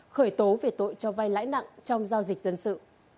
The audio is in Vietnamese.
khởi tố về tội cho vai lãi nặng trong giao dịch dân sự